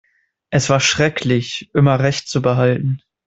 Es war schrecklich, immer Recht zu behalten.